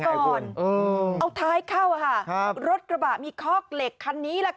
เอาท้ายเข้าค่ะรถกระบะมีคอกเหล็กคันนี้